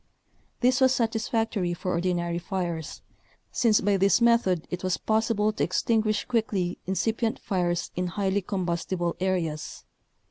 This was satisfactory for ordinary fires, since by this method it was possible to extinguish quickly incipient fires in highly combustible areas.